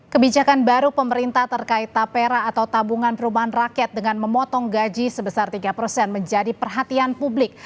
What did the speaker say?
kebijakan baru pemerintah terkait tapera atau tabungan perumahan rakyat dengan memotong gaji sebesar tiga persen menjadi perhatian publik